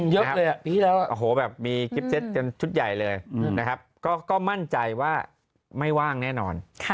เยอะแบบมีกิปเซ็ตจนชุดใหญ่เลยนะครับก็มั่นใจว่าไม่ว่างแน่นอน